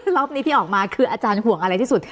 รอบนี้ที่ออกมาคืออาจารย์ห่วงอะไรที่สุด